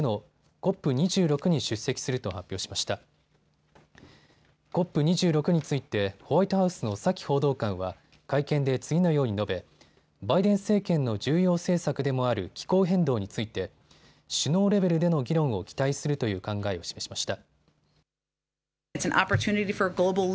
ＣＯＰ２６についてホワイトハウスのサキ報道官は会見で次のように述べ、バイデン政権の重要政策でもある気候変動について首脳レベルでの議論を期待するという考えを示しました。